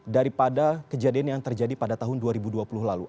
daripada kejadian yang terjadi pada tahun dua ribu dua puluh lalu